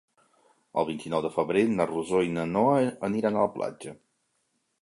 El vint-i-nou de febrer na Rosó i na Noa aniran a la platja.